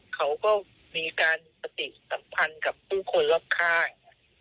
เขาก็มีการปฏิสัมพันธ์กับผู้คนรอบข้าง